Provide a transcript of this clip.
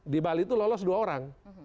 di bali itu lolos dua orang